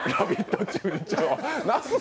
「ラヴィット！」